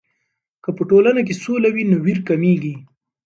که په ټولنه کې سوله وي، نو ویر کمېږي.